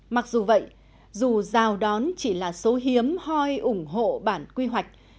mặc dù vậy dù giao đón chỉ là số hiếm hoi ủng hộ bản quy hoạch